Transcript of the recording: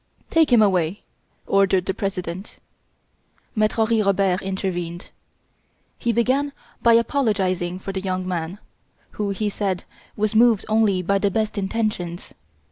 "Take him away!" ordered the President. Maitre Henri Robert intervened. He began by apologising for the young man, who, he said, was moved only by the best intentions.